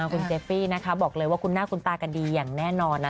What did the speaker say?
คุณเจฟฟี่นะคะบอกเลยว่าคุณหน้าคุณตากันดีอย่างแน่นอนนะ